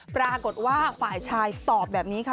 ปรากฏว่าฝ่ายชายตอบแบบนี้ค่ะ